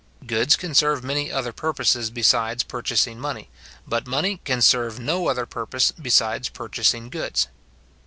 Goods can serve many other purposes besides purchasing money, but money can serve no other purpose besides purchasing goods.